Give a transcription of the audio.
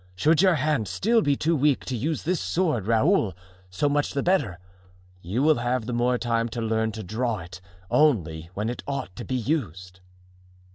Should your hand still be too weak to use this sword, Raoul, so much the better. You will have the more time to learn to draw it only when it ought to be used."